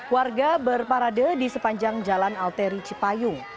warga berparade di sepanjang jalan alteri cipayung